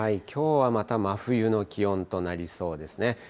きょうはまた真冬の気温となりそうですね。